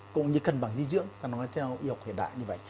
cũng như cân bằng dinh dưỡng ta nói theo y học hiện đại như vậy